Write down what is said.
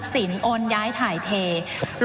ว่าการกระทรวงบาทไทยนะครับ